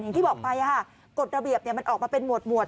อย่างที่บอกไปกฎระเบียบมันออกมาเป็นหมวด